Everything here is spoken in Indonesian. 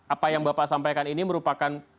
apa yang bapak sampaikan ini merupakan